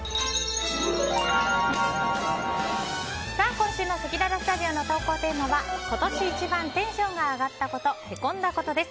今週のせきららスタジオの投稿テーマは今年一番テンションが上がったこと＆へこんだことです。